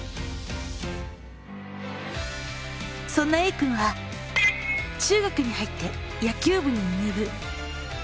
そんなＡくんは中学に入って野球部に入部。